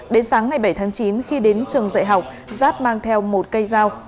đến sáng ngày bảy tháng chín khi đến trường dạy học giáp mang theo một cây dao